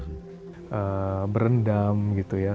sebenarnya apa yang coba kita lakukan